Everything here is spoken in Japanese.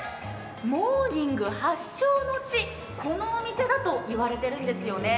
モーニング発祥の地、このお店だと言われているんですよね。